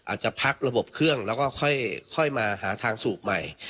อาจจะพักระบบเครื่องแล้วก็ค่อยมาหาทางสูบใหม่